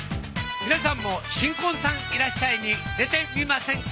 皆さんも新婚さんいらっしゃい！に出てみませんか？